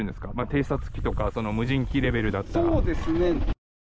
偵察機とか無人機レベルだったら。